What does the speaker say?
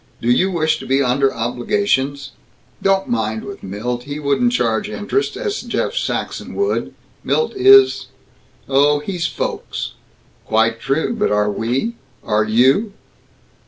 Do you wish to be under obligations " "Don't mind, with Milt. He wouldn't charge interest, as Jeff Saxton would. Milt is, oh, he's folks!" "Quite true. But are we? Are you?"